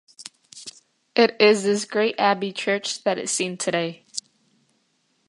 It is this great abbey church that is seen today.